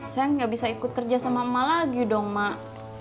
saya nggak bisa ikut kerja sama emak lagi dong mak